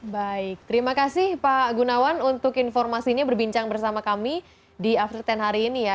baik terima kasih pak gunawan untuk informasinya berbincang bersama kami di after sepuluh hari ini ya